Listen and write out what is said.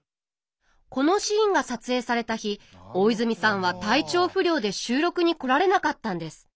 このシーンが撮影された日大泉さんは体調不良で収録に来られなかったんです。